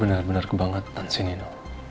bener bener kebangetan sih nino